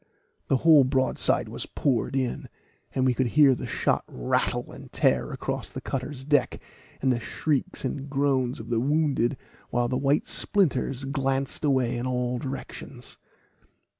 The whole broadside was poured in, and we could hear the shot rattle and tear along the cutter's deck, and the shrieks and groans of the wounded, while the white splinters glanced away in all directions.